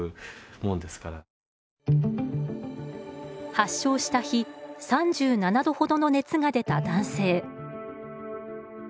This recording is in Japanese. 発症した日３７度ほどの熱が出た男性。